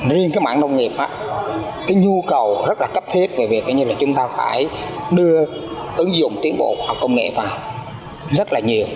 riêng mảng nông nghiệp nhu cầu rất cấp thiết về việc chúng ta phải đưa ứng dụng tiến bộ hoặc công nghệ vào rất nhiều